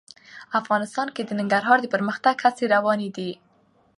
افغانستان کې د ننګرهار د پرمختګ هڅې روانې دي.